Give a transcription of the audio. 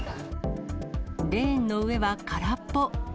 レーンの上は空っぽ。